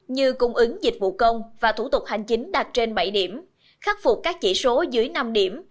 như cung ứng dịch vụ công và thủ tục hành chính đạt trên bảy điểm khắc phục các chỉ số dưới năm điểm